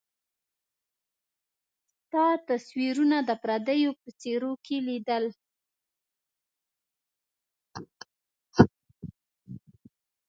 ستا تصويرونه د پرديو په څيرو کي ليدل